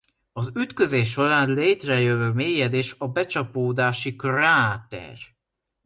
Az ütközés során létrejövő mélyedés a becsapódási kráter.